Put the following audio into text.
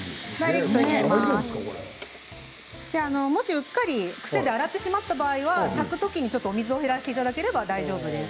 うっかり癖で洗ってしまった場合は炊くときに、お水を減らしていただければ大丈夫です。